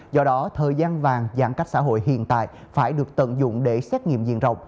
do đó thời gian vàng giãn cách xã hội hiện tại phải được tận dụng để xét nghiệm diện rộng